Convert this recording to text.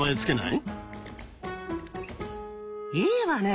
いいわね。